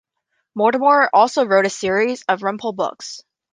Mortimer also wrote a series of Rumpole books.